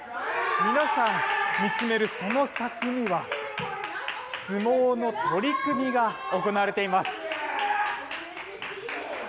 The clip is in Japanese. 皆さん見つめる、その先には相撲の取組が行われています。